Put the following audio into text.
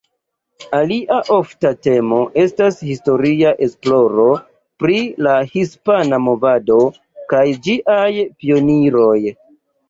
Alia ofta temo estas historia esploro pri la hispana movado kaj ĝiaj pioniroj.